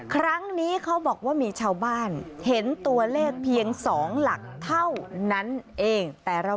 ครั้งนี้เขาบอกว่ามีชาวบ้านเห็นตัวเลขเพียง๒หลักเท่านั้นเอง